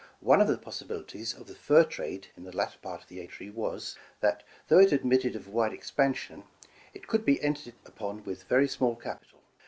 One of the possibilities of the fur trade in the latter part of the eighteenth century, was, that though it admitted of wide expan sion, it could be entered upon with very small capital.